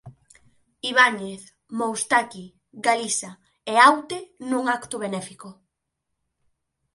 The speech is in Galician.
Ibáñez, Moustaki, Galissa e Aute, nun acto benéfico